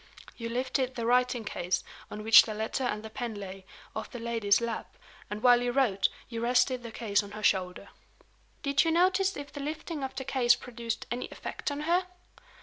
"You lifted the writing case, on which the letter and the pen lay, off the lady's lap; and, while you wrote, you rested the case on her shoulder." "Did you notice if the lifting of the case produced any effect on her?"